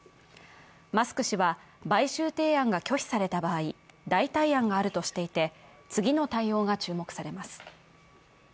マスク氏は買収提案が拒否された場合、代替案があるとしていて、次の対応が注目されます。